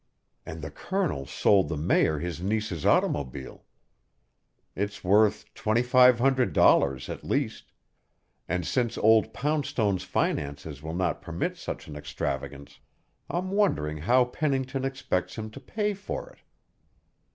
And the Colonel sold the Mayor his niece's automobile. It's worth twenty five hundred dollars, at least, and since old Poundstone's finances will not permit such an extravagance, I'm wondering how Pennington expects him to pay for it.